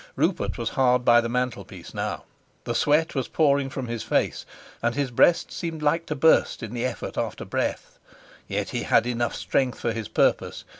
Rupert was hard by the mantelpiece now. The sweat was pouring from his face, and his breast seemed like to burst in the effort after breath; yet he had enough strength for his purpose.